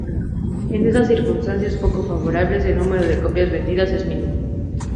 En esas circunstancias poco favorables, el número de copias vendidas es mínimo.